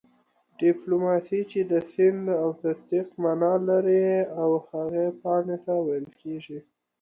ډيپلوماسۍ چې د سند او تصديق مانا لري او هغې پاڼي ته ويل کيږي